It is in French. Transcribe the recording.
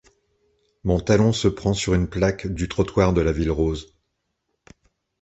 Mon talon se prend sur une plaque du trottoir de la ville rose.